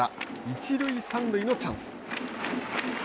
一塁三塁のチャンス。